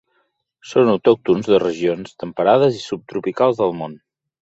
Són autòctons de regions temperades i subtropicals del món.